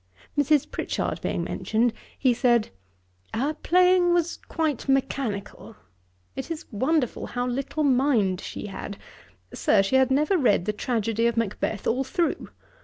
Mrs. Prichard being mentioned, he said, 'Her playing was quite mechanical. It is wonderful how little mind she had. Sir, she had never read the tragedy of Macbeth all through.